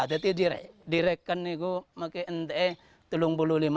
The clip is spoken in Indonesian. tapi di rekan aku aku nanti